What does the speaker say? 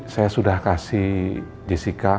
saya sudah kasih jessica